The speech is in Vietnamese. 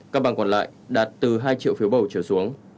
các bang còn lại đạt từ hai triệu phiếu bầu trở xuống